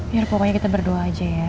ya udah pokoknya kita berdua aja ya